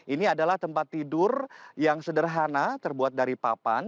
ini adalah tempat tidur yang sederhana terbuat dari papan